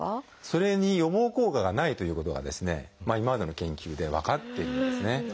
それに予防効果がないということが今までの研究で分かっているんですね。